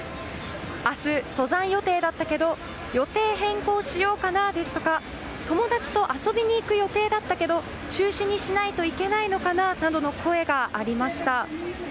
明日、登山予定だったけど予定変更しようかな、ですとか友達と遊びに行く予定だったけど中止にしないといけないのかなという声がありました。